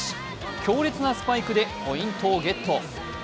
強烈なスパイクでポイントをゲット。